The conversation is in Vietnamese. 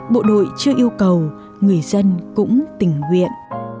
bộ đội chưa yêu cầu người dân cũng tình nguyện